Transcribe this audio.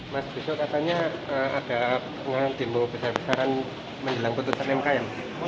mas besok katanya ada demo besar besaran menjelang putusan mk ya